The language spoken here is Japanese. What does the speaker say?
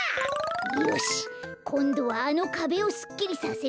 よしこんどはあのかべをすっきりさせるぞ！